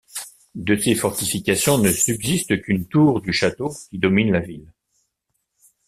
De ces fortifications ne subsiste qu'une tour du château qui domine la ville.